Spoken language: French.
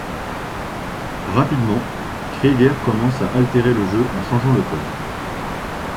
Rapidement, Krieger commence à altérer le jeu en changeant le code.